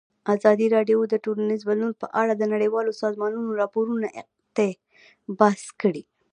ازادي راډیو د ټولنیز بدلون په اړه د نړیوالو سازمانونو راپورونه اقتباس کړي.